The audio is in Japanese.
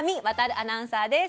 アナウンサーです。